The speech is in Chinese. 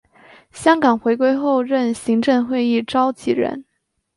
香港回归后任行政会议召集人。